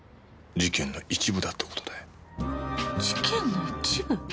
事件の一部？